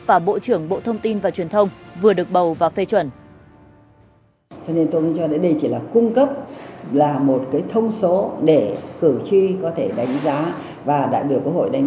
và bộ trưởng bộ thông tin và truyền thông vừa được bầu và phê chuẩn